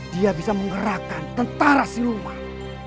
dia bisa menggerakkan tentara siluman